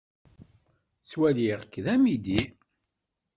Ttwaliɣ-k d amidi.